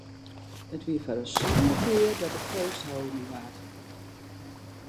It wie foar de sânde kear dat it feest hâlden waard.